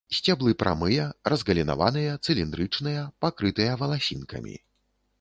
Сцеблы прамыя, разгалінаваныя, цыліндрычныя, пакрытыя валасінкамі.